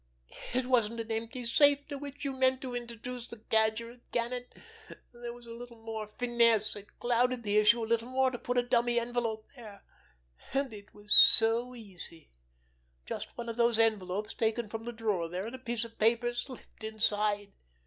It wasn't an empty safe to which you meant to introduce the Cadger and Gannet; there was a little more finesse, it clouded the issue a little more to put a dummy envelope there. And it was so easy! Just one of those envelopes taken from the drawer there, and a piece of paper slipped inside!"